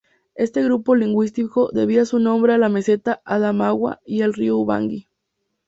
Este grupo lingüístico debía su nombre a la meseta Adamawa y al río Ubangui.